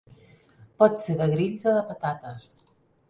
Pot ser de grills o de patates.